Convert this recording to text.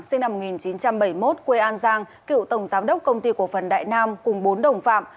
sinh năm một nghìn chín trăm bảy mươi một quê an giang cựu tổng giám đốc công ty cổ phần đại nam cùng bốn đồng phạm